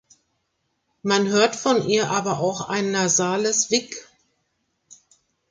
Man hört von ihr aber auch ein nasales "vick".